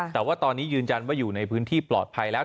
แต่ว่าตอนนี้ยืนยันว่าอยู่ในพื้นที่ปลอดภัยแล้ว